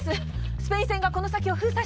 スペイン船がこの先を封鎖しています何？